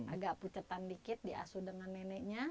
agak pucetan dikit di asu dengan neneknya